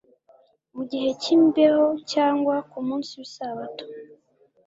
mu gihe cy'imbeho cyangwa ku munsi w'isabato.»